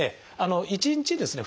１日ですね